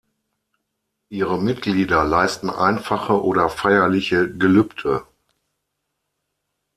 Ihre Mitglieder leisten einfache oder feierliche Gelübde.